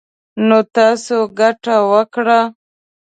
نـو تـاسو ګـټـه وكړه.